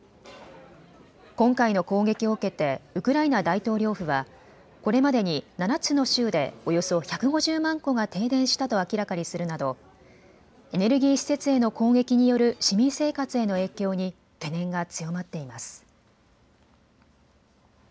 今回の攻撃を受けてウクライナ大統領府はこれまでに７つの州でおよそ１５０万戸が停電したと明らかにするなどエネルギー施設への攻撃による市民生活への影響に懸念が強まっています。